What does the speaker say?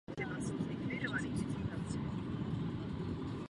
Je autorem řady uměleckých knih.